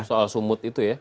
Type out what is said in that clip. soal sumut itu ya